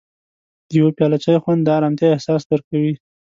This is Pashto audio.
د یو پیاله چای خوند د ارامتیا احساس درکوي.